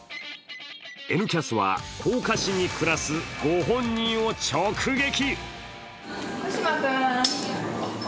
「Ｎキャス」は、甲賀市に暮らすご本人を直撃！